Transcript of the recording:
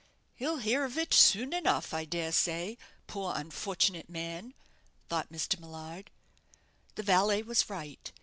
"He'll hear of it soon enough, I dare say, poor, unfortunate young man," thought Mr. Millard. The valet was right.